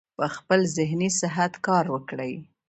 پۀ خپل ذهني صحت کار وکړي -